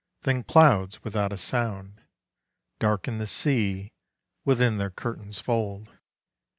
Then clouds without a sound Darken the sea within their curtain's fold.